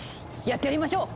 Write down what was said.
やってやりましょう！